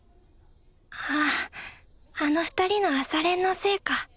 あああの２人の朝練のせいか。